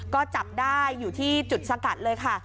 ก็จับได้อยู่ที่จุดสกัดเลยค่ะ